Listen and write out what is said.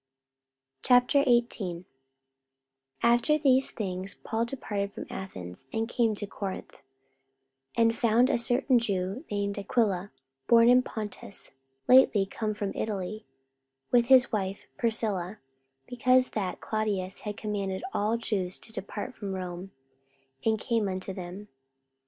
44:018:001 After these things Paul departed from Athens, and came to Corinth; 44:018:002 And found a certain Jew named Aquila, born in Pontus, lately come from Italy, with his wife Priscilla; (because that Claudius had commanded all Jews to depart from Rome:) and came unto them.